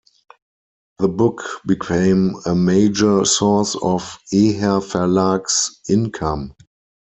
The book became a major source of Eher-Verlag's income.